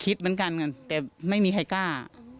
คิดเหมือนกันแต่ไม่มีใครกล้า